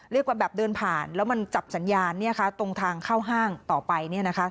แบบเดินผ่านแล้วมันจับสัญญาณตรงทางเข้าห้างต่อไป